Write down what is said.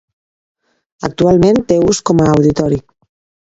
Actualment té ús com a auditori.